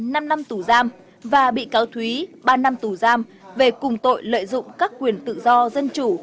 năm năm tù giam và bị cáo thúy ba năm tù giam về cùng tội lợi dụng các quyền tự do dân chủ